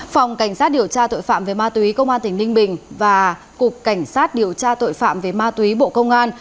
phòng cảnh sát điều tra tội phạm về ma túy công an tỉnh ninh bình và cục cảnh sát điều tra tội phạm về ma túy bộ công an